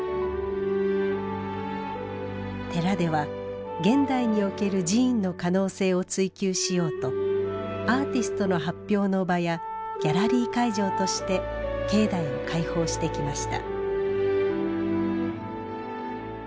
寺では現代における寺院の可能性を追究しようとアーティストの発表の場やギャラリー会場として境内を開放してきました。